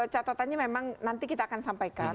catatannya memang nanti kita akan sampaikan